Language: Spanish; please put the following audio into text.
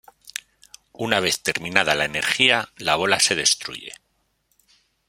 Una vez terminada la energía, la bola se destruye.